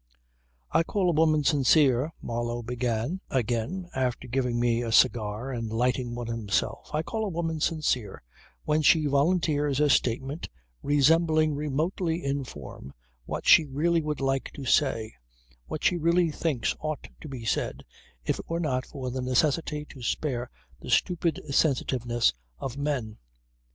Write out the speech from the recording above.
" "I call a woman sincere," Marlow began again after giving me a cigar and lighting one himself, "I call a woman sincere when she volunteers a statement resembling remotely in form what she really would like to say, what she really thinks ought to be said if it were not for the necessity to spare the stupid sensitiveness of men.